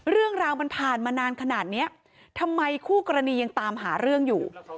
เรื่องราวมันผ่านมานานขนาดนี้ทำไมคู่กรณียังตามหาเรื่องอยู่